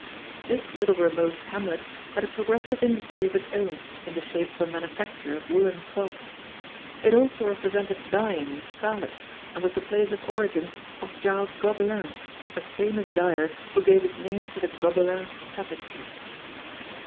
This little remote hamlet had a progressive industry of its own in the shape of a manufacture of woollen cloths. It also represented dyeing in scarlet and was the place of origin of Giles Gobelin, a famous dyer who gave his name to the Gobelin tapestry.